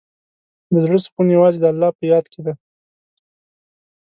د زړۀ سکون یوازې د الله په یاد کې دی.